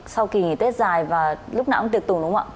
sau kỳ nghỉ tết dài và lúc nào cũng tiệc tùng đúng không ạ